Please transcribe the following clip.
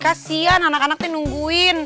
kasian anak anak tuh yang nungguin